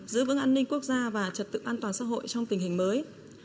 giữ vững an ninh quốc gia và trật tự an toàn xã hội trong tình hình mới